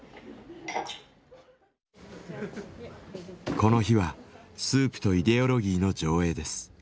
この日は「スープとイデオロギー」の上映です。